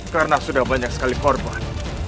karena sudah banyak sekali korban